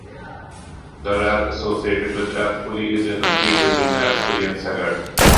The rath associated with Rathcoole is in a field between Rathcoole and Saggart.